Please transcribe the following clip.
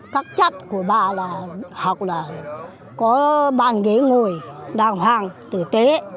các chất của bà là học là có bàn ghế ngồi đào hoàng tử tế